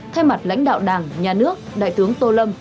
thay mặt lãnh đạo đảng nhà nước đại tướng tô lâm